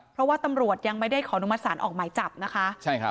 เพราะว่าตำรวจยังไม่ได้ขออนุมัติศาลออกหมายจับนะคะใช่ครับ